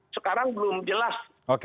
sekarang belum jelas